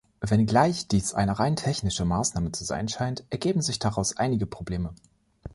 Wenngleich dies eine rein technische Maßnahme zu sein scheint, ergeben sich daraus einige Probleme.